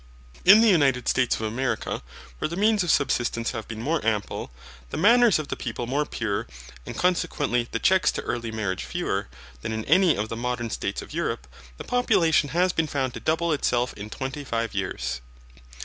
In the United States of America, where the means of subsistence have been more ample, the manners of the people more pure, and consequently the checks to early marriages fewer, than in any of the modern states of Europe, the population has been found to double itself in twenty five years.